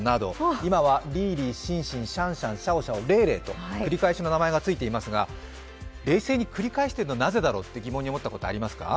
今はリーリー、シャンシャン、シャオシャオ、レイレイと繰り返しの名前がついていますが、冷静に繰り返しているのはなぜだろうと疑問に思ったことはありますか？